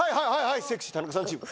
「セクシー田中さんチーム」。